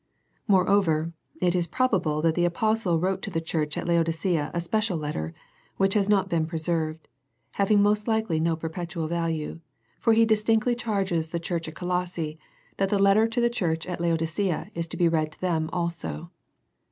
Moreover it is probable that the apostle wrote to the church at Laodicea a special letter which has not been preserved, having most likely no perpetual value, for he distinctly charges the church at Colosse that the letter 1 88 A First Century Message to the church at Laodicea is to be read to them also.